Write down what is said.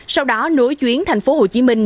sau đó nối chuyến thành phố hồ chí minh